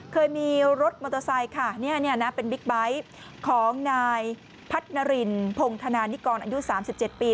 เคยมีรถมอเตอร์ไซค์ค่ะเป็นบิ๊กไบท์ของนายพัฒนารินพงธนานิกรอายุ๓๗ปี